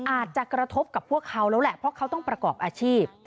อาจจะกระทบกับพวกเขาแล้วแหละเพราะเขาต้องประกอบอาชีพ